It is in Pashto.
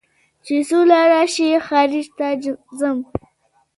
چې سوله راشي خارج ته ځم